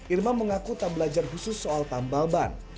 irma mengaku tak belajar khusus soal tambal ban